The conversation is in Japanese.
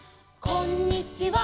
「こんにちは」